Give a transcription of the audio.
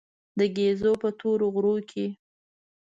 د ګېزو په تورو غرو کې.